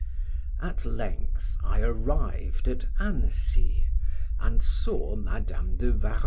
At length I arrived at Annecy, and saw Madam de Warrens.